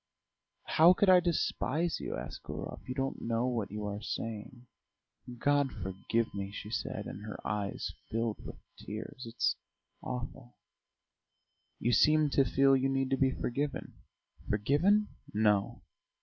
"How could I despise you?" asked Gurov. "You don't know what you are saying." "God forgive me," she said, and her eyes filled with tears. "It's awful." "You seem to feel you need to be forgiven." "Forgiven? No.